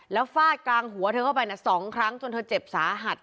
แล้วฟาดกลางหัวเธอเข้าไป๒ครั้งจนเธอเจ็บสาหัส